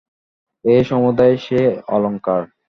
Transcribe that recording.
এ সমুদায় সেই অলঙ্কার।